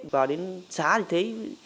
vào đến xá thì thấy